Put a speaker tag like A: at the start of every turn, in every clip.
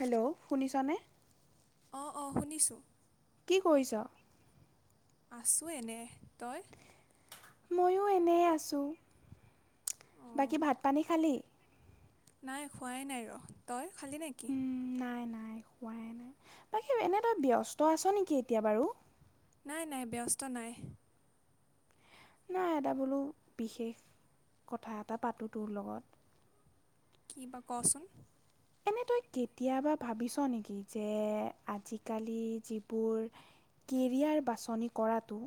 A: Hello, শুনিছানে?
B: অ, অ, শুনিছো।
A: কি কৰিছ?
B: আছোঁ এনে, তই?
A: ময়ো এনেই আছোঁ, বাকী
B: অঁ
A: ভাত-পানী খালী?
B: নাই খোৱাই নাই, ৰহ তই খালি নেকি?
A: উম, নাই নাই। খোৱাই নাই, বাকী এনে তই ব্যস্ত আছ নেকি এতিয়া বাৰু?
B: নাই, নাই, ব্যস্ত নাই।
A: নাই, এটা বোলো বিশেষ কথা এটা পাতোঁ, তোৰ লগত।
B: কি বা, কচোন।
A: এনে তই, কেতিয়াবা ভাবিছ নেকি, যে আজিকালি যিবোৰ কেৰিয়াৰ বাছনি কৰাটো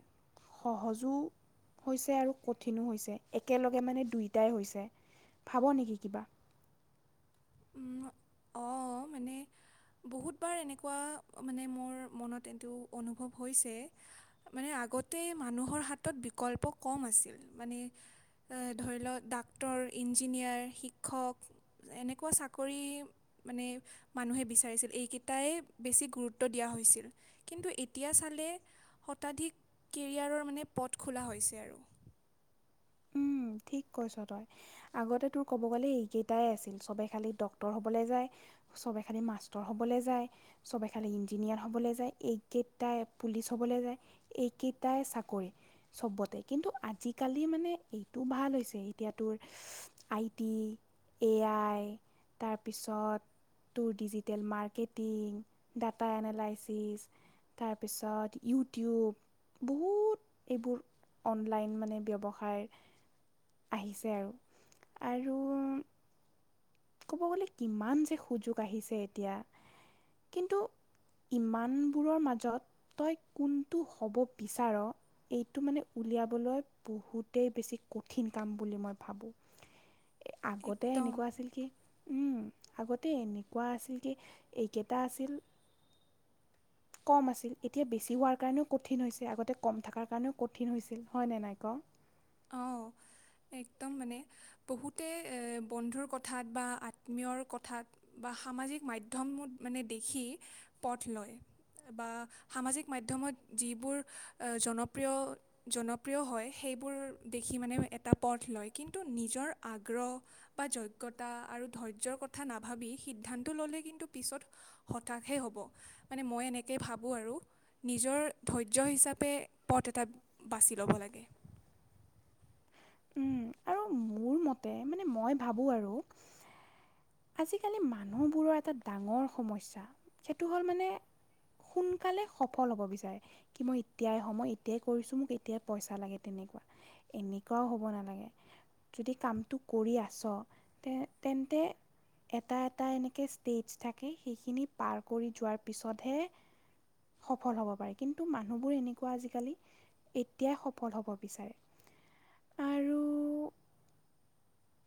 A: সহজো হৈছে আৰু কঠিনো হৈছে, একেলগে মানে দুয়োটাই হৈছে। ভাব নেকি কিবা?
B: উম, অ, মানে বহুতবাৰ এনেকুৱা মানে মোৰ, মনত এইটো অনুভৱ হৈছে। মানে আগতে মানুহৰ হাতত বিকল্প কম আছিল, মানে এ ধৰি লওক ডাক্তৰ, ইঞ্জিনিয়াৰ, শিক্ষক এনে কোৱা চাকৰি মানে মানুহে বিচাৰিছিল এইকেইটাই বেছি গুৰুত্ব দিয়া হৈছিল। কিন্তু এতিয়া চালে শতাধিক কেৰিয়াৰৰ মানে পথ খোলা হৈছে আৰু
A: উম, ঠিক কৈছ তই। আগতে তোৰ ক'ব গ'লে এইকেইটাই আছিল চবেই খালি ডক্টৰ হ'বলে যায়। চবে খালি মাষ্টৰ হ'বলে যায়। চবে খালি ইঞ্জিনিয়াৰ হ'বলে যায় এইকেইটাই পুলিচ হ'বলে যায় এইকেইটাই চাকৰি চবতে কিন্তু আজিকালি মানে এই তো ভাল হৈছে এতিয়া তোৰ আইটি, এ আই তাৰপিছত তোৰ ডিজিটেল মাৰ্কেটিং, ডাটা এনালাইচিছ তাৰপিছত ইউটিউব বহুত এইবোৰ অনলাইন মানে ব্যৱসায়ৰ আহিছে আৰু, আৰু ক'ব গ'লে কিমান যে সুযোগ আহিছে এতিয়া কিন্তু ইমানবোৰৰ মাজত তই কোনটো হ'ব বিচাৰ এইটো মানে উলিয়াবলৈ বহুতেই বেছি কঠিন কাম বুলি মই ভাবো। এ আগতে
B: একদম
A: এনেকুৱা আছিল কি উম, আগতে এনেকুৱা আছিল কি এইকেইটা আছিল [inaudible] কম আছিল এতিয়া বেছি হোৱাৰ কাৰণেও কঠিন হৈছে আগতে কম থাকাৰ কাৰণেও কঠিন হৈছিল, হয় নে নাই ক'?
B: অঁ
A: [inaudible]
B: একদম মানে বহুতে এ বন্ধুৰ কথাত বা আত্মীয়ৰ কথাত বা সামাজিক মাধ্যমত মানে দেখি পথ লয় বা সামাজিক মাধ্যমত যিবোৰ অ'জনপ্ৰিয় জনপ্ৰিয় হয় সেইবোৰ দেখি মানে এটা পথ লয় কিন্তু নিজৰ আগ্ৰহ বা যগ্যতা আৰু ধৈৰ্যৰ কথা নাভাবি সিদ্ধান্ত ল'লে কিন্তু পিছত হতাশহে হ'ব মানে মই এনেকে ভাবোঁ আৰু নিজৰ ধৈৰ্য্য হিচাপে পথ এটা বাছি ল'ব লাগে।
A: উম, আৰু মোৰ মতে মানে মই ভাবোঁ আৰু আজিকালি মানুহবোৰৰ এটা ডাঙৰ সমস্যা সেইটো হ'ল মানে সোনকালে সফল হ'ব বিচাৰে কি মই এতিয়াই হম মই এতিয়াই কৰিছো মোক এতিয়াই পইচা লাগে তেনেকুৱা এনেকুৱাও হ'ব নালাগে। যদি কামটো কৰি আছ তে-তেন্তে এটা, এটা এনেকে ষ্টেজ থাকে সেইখিনি পাৰ কৰি যোৱাৰ পিছতহে সফল হ'ব পাৰে কিন্তু মানুহবোৰ এনেকুৱা আজিকালি এতিয়াই সফল হ'ব বিচাৰে আৰু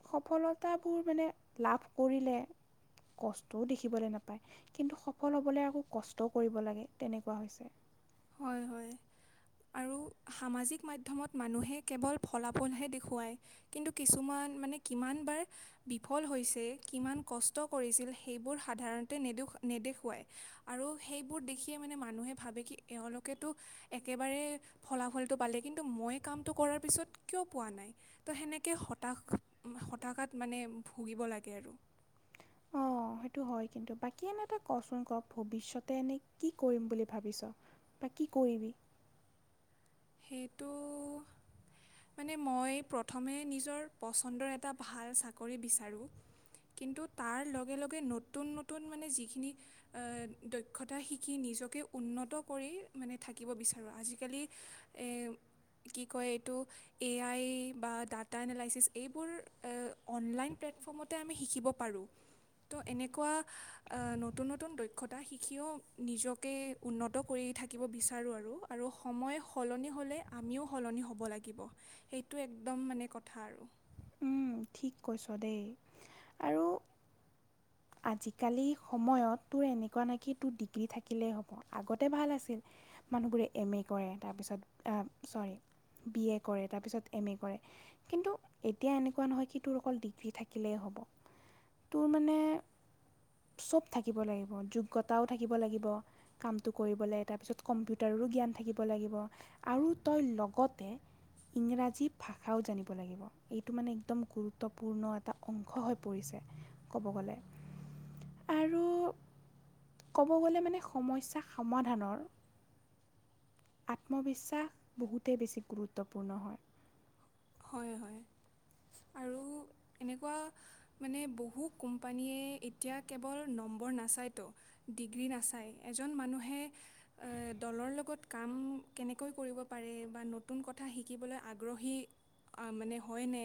A: সফলতাবোৰ মানে লাভ কৰিলে কষ্টও দেখিবলৈ নাপায় কিন্তু সফল হ'বলে আকৌ কষ্টও কৰিব লাগে তেনেকুৱা হৈছে।
B: হয় হয়
A: [inaudible]
B: আৰু সামাজিক মাধ্যমত মানুহে কেৱল ফলাফলহে দেখুৱায়। কিন্তু কিছুমান মানে কিমান বাৰ বিফল হৈছে কিমান কষ্ট কৰিছিল সেইবোৰ সাধাৰণতে নেদেখুৱা-নেদেখুৱায়। আৰু সেইবোৰ দেখিয়ে মানে মানুহে ভাবে কি এওলোকেতো একেবাৰে ফলাফলটো পালে কিন্তু মই কামটো কৰাৰ পিছত কিয় পোৱা নাই। ত' সেনেকে হতাশ হতাশাত মানে ভুগিব লাগে আৰু।
A: অ' সেইটো হয় কিন্তু বাকী এনে তই কচোন ক ভৱিষ্যতে এনে কি কৰিম বুলি ভাবিছ? বা কি কৰিবি?
B: সেইটো মানে মই প্ৰথমে নিজৰ পচন্দৰ এটা ভাল চাকৰি বিচাৰো। কিন্তু তাৰ লগে, লগে নতুন, নতুন মানে যিখিনি দক্ষতা শিকি নিজকে উন্নত কৰি মানে থাকিব বিচাৰোঁ আজিকালি এই কি কয় এইটো এ আই বা ডাটা এনালাইচিছ এইবোৰ অনলাইন প্লেটফৰ্মত তে আমি শিকিব পাৰো। ত' এনেকুৱা নতুন, নতুন দক্ষতা শিকিও নিজকে উন্নত কৰি থাকিব বিচাৰো আৰু আৰু সময় সলনি হ'লে আমিও সলনি হ'ব লাগিব সেইটো একদম মানে কথা আৰু
A: উম, ঠিক কৈছ দেই আৰু আজিকালি সময়ত তোৰ এনেকুৱা নাই কি তোৰ ডিগ্ৰী থাকিলেই হ'ব আগতে ভাল আছিল। মানুহবোৰে এম এ কৰে তাৰপিছত চৰি বি এ কৰে তাৰপিছত এম এ কৰে। কিন্তু এতিয়া এনেকুৱা নহয় কি তোৰ অকল ডিগ্ৰী থাকিলেই হ'ব তোৰ মানে চব থাকিব লাগিব যোগ্যতাও থাকিব লাগিব। কামটো কৰিবলৈ তাৰপিছত কম্পিউটাৰৰো জ্ঞান থাকিব লাগিব। আৰু তই লগতে ইংৰাজী ভাষাও জানিব লাগিব। এইটো মানে একদম গুৰুত্বপূৰ্ণ এটা অংশ হৈ পৰিছে ক'ব গ'লে। আৰু ক'ব গ'লে মানে সমস্যা সমাধানৰ আত্মবিশ্বাস বহুতেই বেছি গুৰুত্বপূৰ্ণ হয়।
B: হয়, হয় আৰু এনেকুৱা মানে বহু কোম্পানীয়ে এতিয়া কেৱল নম্বৰ নাচায়তো। ডিগ্ৰী নাচায় এজন মানুহে অ' দলৰ লগত কাম কেনেকৈ কৰিব পাৰে বা নতুন কথা শিকিবলৈ আগ্ৰহী আহ, মানে হয়নে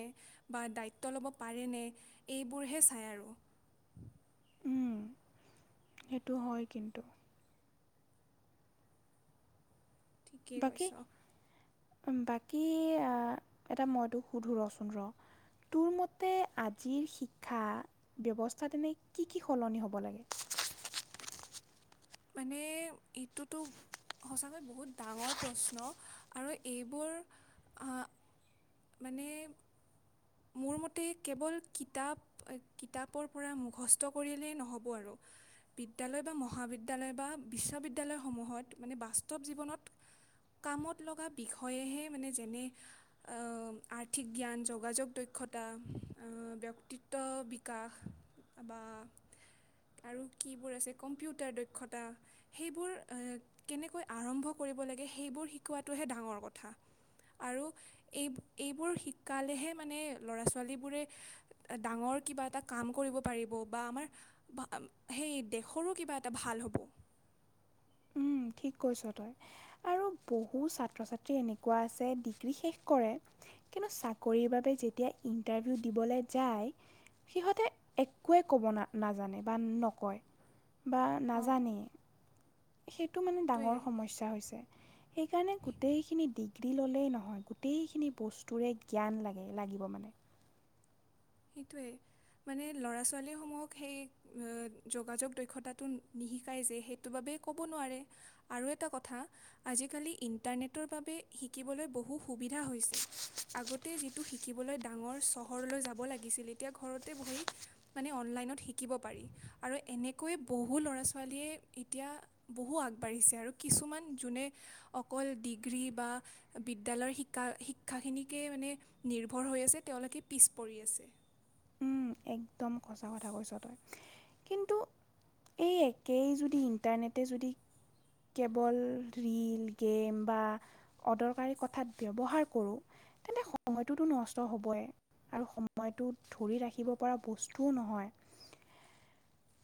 B: বা দায়িত্ব ল'ব পাৰেনে এইবোৰহে চাই আৰু।
A: উম, সেইটো হয় কিন্তু।
B: ঠিকেই
A: বাকী,
B: কৈছ
A: বাকী আ এটা মইতোক সুধো ৰচোন ৰ। তোৰ মতে আজিৰ শিক্ষা ব্যৱস্থা তেনে কি, কি সলনি হ'ব লাগে?
B: মানে এইটোতো সঁচাকৈ বহুত ডাঙৰ প্ৰশ্ন আৰু এইবোৰ আহ,
A: [inaudible]
B: মানে? মোৰ মতে কেৱল কিতাপ কিতাপৰ পৰা মুখস্থ কৰিয়লেই নহ'ব আৰু। বিদ্যালয় বা মহাবিদ্যালয় বা বিশ্ববিদ্যালয়সমূহত মানে বাস্তৱ জীৱনত কামত লগা বিষয়েহে মানে যেনে আ আৰ্থিক জ্ঞান যোগাযোগ দক্ষতা ব্যক্তিত্ব বিকাশ বা আৰু কিবোৰ আছে কম্পিউটাৰ দক্ষতা সেইবোৰ আ কেনেকৈ আৰম্ভ কৰিব লাগে সেইবোৰ শিকোৱাটোহে ডাঙৰ কথা। আৰু এই এইবোৰ শিকালেহে মানে ল'ৰা ছোৱালীবোৰে ডাঙৰ কিবা এটা কাম কৰিব পাৰিব বা আমাৰ বা সেই দেশৰো কিবা এটা ভাল হ'ব
A: উম ঠিক কৈছ তই আৰু বহু ছাত্ৰ ছাত্ৰী এনেকুৱা আছে ডিগ্ৰী শেষ কৰে কিন্তু চাকৰিৰ বাবে যেতিয়া ইণ্টাৰভিউ দিবলে যায় সিহঁতে একোৱে ক'ব না নাজানে বা নকয় বা
B: অ'
A: নাজানেই সেইটো মানে
B: সেইটোৱে।
A: ডাঙৰ সমস্যা হৈছে সেইকাৰণে গোটেইখিনি দিগ দি ল'লেই নহয় গোটেইখিনি বস্তুৰে জ্ঞান লাগে লাগিব মানে
B: সেইটোৱেই মানে ল'ৰা ছোৱালীসমূহক সেই আহ যোগাযোগ দক্ষতাটো নিশিকাই যে সেইটো বাবেই ক'ব নোৱাৰে আৰু এটা কথা আজিকালি ইণ্টাৰনেটৰ বাবে শিকিবলৈ বহু সুবিধা হৈছে আগতে যিটো শিকিবলৈ ডাঙৰ চহৰলৈ যাব লাগিছিল। এতিয়া ঘৰতে বহি মানে অনলাইনত শিকিব পাৰি আৰু এনেকৈয়ে বহু ল'ৰা ছোৱালীয়ে এতিয়া বহু আগবাঢ়িছে আৰু কিছুমান যোনে অকল ডিগ্ৰী বা বিদ্যালয়ৰ শিকা শিক্ষাখিনিকে মানে নিৰ্ভৰ হৈ আছে তেওঁলোকে পিছ পৰি আছে
A: উম একদম সচা কথা কৈছ তই কিন্তু এই একেই যদি ইণ্টাৰনেটে যদি কেৱল ৰিল গেম বা অদৰকাৰী কথাত ব্যৱহাৰ কৰোঁ তেন্তে সময়টোতো নষ্ট হ'বই আৰু সময়টো ধৰি ৰাখিব পৰা বস্তু নহয়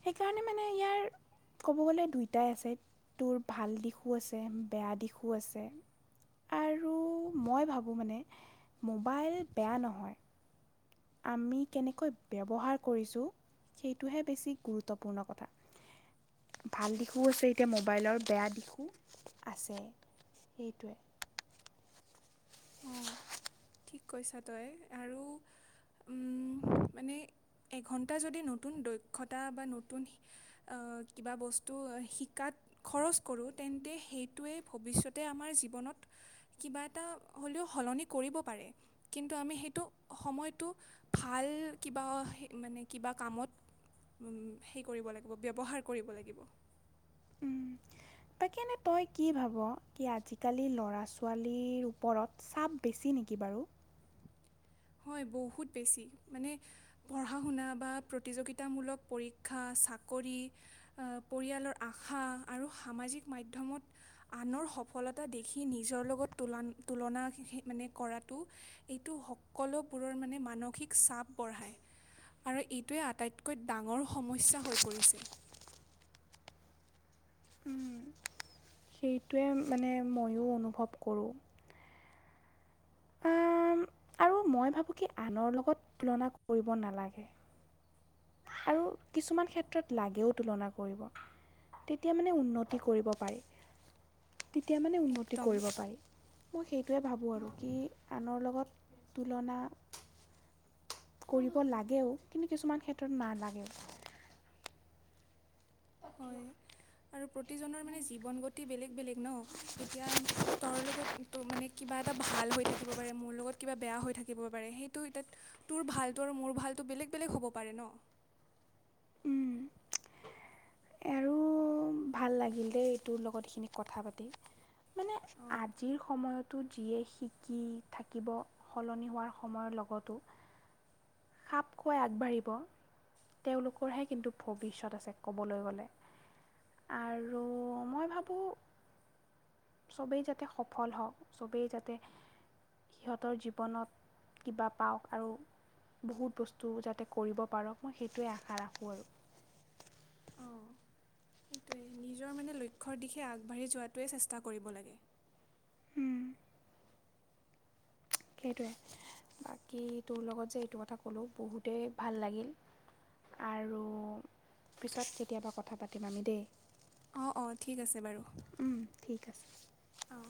A: সেইকাৰণে মানে ইয়াৰ ক'ব গ'লে দুয়োটাই আছে তোৰ ভাল দিশো আছে বেয়া দিশো আছে আৰু মই ভাবোঁ মানে মোবাইল বেয়া নহয় আমি কেনেকৈ ব্যৱহাৰ কৰিছোঁ সেইটোহে বেছি গুৰুত্বপূৰ্ণ কথা ভাল দিশো আছে এতিয়া মোবাইলৰ বেয়া দিশো আছে সেইটোৱে
B: অহ ঠিক কৈছ তই আৰু উম মানে এঘণ্টা যদি নতুন দক্ষতা বা নতুন আহ কিবা বস্তু শিকাত খৰচ কৰোঁ তেন্তে সেইটোৱে ভৱিষ্যতে আমাৰ জীৱনত কিবা এটা হ'লেও সলনি কৰিব পাৰে কিন্তু আমি সেইটো সময়টো ভাল কিবা মানে কিবা কামত হেৰি কৰিব লাগিব ব্যৱহাৰ কৰিব লাগিব।
A: তাকে এনে তই কি ভাব কি আজিকালি ল'ৰা ছোৱালীৰ ওপৰত চাপ বেছি নেকি বাৰু
B: হয় বহুত বেছি মানে পঢ়া শুনা বা প্ৰতিযোগিতামূলক পৰীক্ষা চাকৰি পৰিয়ালৰ আশা আৰু সামাজিক মাধ্যমত আনৰ সফলতা দেখি নিজৰ লগত তুলান তুলনা মানে কৰাটো এইটো সকলোবোৰৰ মানে মানসিক চাপ বঢ়ায় আৰু এইটোৱে আটাইতকৈ ডাঙৰ সমস্যা হৈ পৰিছে
A: সেইটোৱে মানে ময়ো অনুভৱ কৰোঁ আৰু মই ভাবোঁ কি আনৰ লগত তুলনা কৰিব নালাগে। আৰু কিছুমান ক্ষেত্ৰত লাগেও তুলনা কৰিব তেতিয়া মানে উন্নতি কৰিব পাই। তেতিয়া মানে উন্নতি
B: একদম
A: কৰিব পাৰি, মই সেইটোৱে ভাবোঁ আৰু কি আনৰ লগত তুলনা কৰিব লাগেও, কিন্তু নালাগে।
B: হয়
A: [inaudible]
B: আৰু প্ৰতিজনৰ মানে জীৱন গতি বেলেগ বেলেগ ন এতিয়া তৰ লগত তো মানে কিবা এটা ভাল হৈ থাকিব পাৰে মোৰ লগত কিবা বেয়া হৈ থাকিব পাৰে, সেইটো এতাত তোৰ ভালটো আৰু মোৰ ভালটো বেলেগ বেলেগ হ'ব পাৰে ন'।
A: উম, আৰু ভাল লাগিল দেই, তোৰ লগত এইখিনি কথা পাতি। মানে
B: অঁ
A: আজিৰ সময়তো যিয়ে শিকি থাকিব। সলনি হোৱাৰ সময়ৰ লগতো খাপখোৱাই আগবাঢ়িব, তেওঁলোকৰহে কিন্তু ভৱিষ্যত আছে ক'বলৈ গ'লে। আৰু মই ভাবোঁ, চবেই যাতে সফল হওঁক, চবেই যাতে সিহঁতৰ জীৱনত কিবা পাওক আৰু। বহুত বস্তু যাতে কৰিব পাৰক মই সেইটোৱে আশা ৰাখোঁ আৰু।
B: অৱ, ' সেইটোৱে নিজৰ মানে লক্ষ্যৰ দিশে আগবাঢ়ি যোৱাটোৱে চেষ্টা কৰিব লাগে।
A: উম। সেইটোৱে। বাকী তোৰ লগত যে এইটো কথা ক'লোঁ বহুতেই ভাল লাগিল। আৰু পিছত কেতিয়াবা কথা পাতিম আমি দেই।
B: অ' অ' ঠিক আছে বাৰু,
A: ঠিক আছে
B: অৱ।